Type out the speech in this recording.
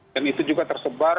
dan itu juga tersebar